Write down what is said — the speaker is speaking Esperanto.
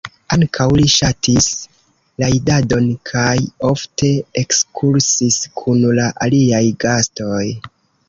Ankaŭ li ŝatis rajdadon kaj ofte ekskursis kun la aliaj gastoj.